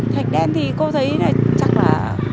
thạch đen thì cô thấy chắc là